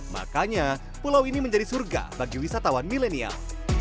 makanya pulau ini menjadi surga bagi wisatawan milenial